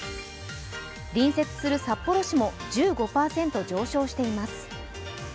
隣接する札幌市も１５％上昇しています。